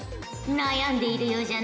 悩んでいるようじゃな。